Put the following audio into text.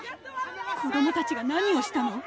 子どもたちが何をしたの？